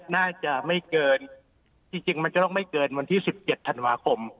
น่าจะไม่เกินจริงมันจะต้องไม่เกินวันที่๑๗ธันวาคม